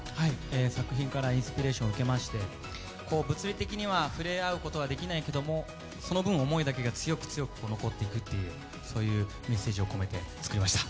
作品からインスピレーション受けまして物理的には触れ合うことはできないけど、その分思いだけが強く残っていくというそういうメッセージを込めて作りました。